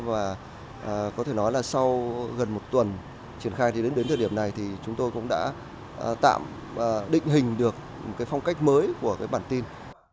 và có thể nói là sau gần một tuần triển khai đến thời điểm này chúng tôi cũng đã tạm định hình được phong cách mới của bản tin